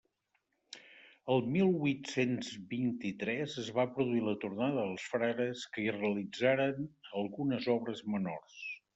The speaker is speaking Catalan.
El mil huit-cents vint-i-tres es va produir la tornada dels frares, que hi realitzaren algunes obres menors.